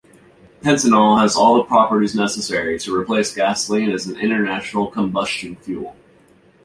Pentanol has all the properties necessary to replace gasoline as an internal combustion fuel.